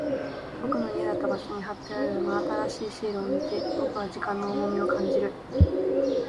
僕の家だった場所に貼ってある真新しいシールを見て、僕は時間の重みを感じる。